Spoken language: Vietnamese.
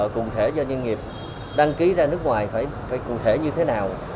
cụ thể doanh nghiệp đăng ký ra nước ngoài phải cụ thể như thế nào